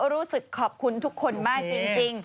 รู้สึกขอบคุณทุกคนมากจริง